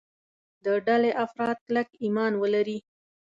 د ډلې افراد کلک ایمان ولري.